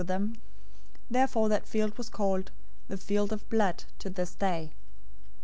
027:008 Therefore that field was called "The Field of Blood" to this day.